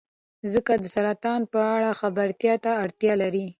خلک د سرطان په اړه خبرتیا ته اړتیا لري.